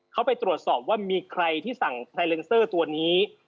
เขาไปตรวจสอบว่ามีใครที่สั่งไซเลนเซอร์ตัวนี้